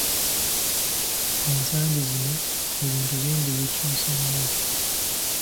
Ensangi zino ebintu bingi bikyuse nnyo.